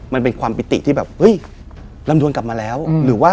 มันเป็นความปิติที่แบบ